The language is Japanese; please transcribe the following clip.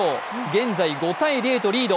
現在５−０とリード。